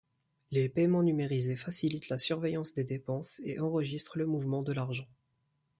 Les paiements numérisés facilitent la surveillance des dépenses et enregistrent le mouvement de l'argent.